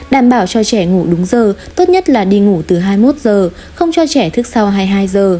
đảm bảo cho trẻ ngủ đúng giờ tốt nhất là đi ngủ từ hai mươi một giờ không cho trẻ thức sau hai mươi hai giờ